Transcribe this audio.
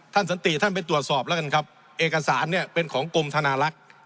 สันติท่านไปตรวจสอบแล้วกันครับเอกสารเนี่ยเป็นของกรมธนาลักษณ์